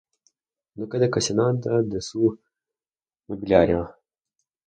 No queda casi nada de su mobiliario.